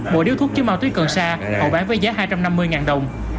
bộ điếu thuốc chứa ma túy cần sa hậu bán với giá hai trăm năm mươi đồng